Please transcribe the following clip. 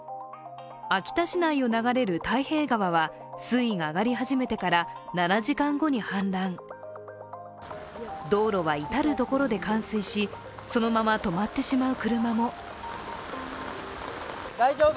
秋田市内を流れる大平川は水位が上がり始めてから７時間後に氾濫、道路は至る所で冠水しそのまま止まってしまう車も。